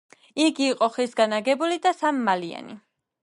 იგი იყო ხისგან აგებული და სამმალიანი.